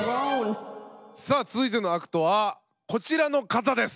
さあ続いてのアクトはこちらの方です。